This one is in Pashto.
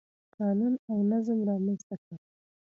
قانون او نظم رامنځته کړ.